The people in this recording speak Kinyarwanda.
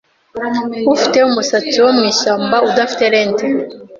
Ufite umusatsi wo mwishyamba udafite lente